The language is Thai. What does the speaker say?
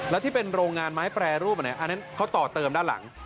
แล้วที่เป็นโรงงานไม้แปรรูปอันนั้นเขาต่อเติมด้านหลัง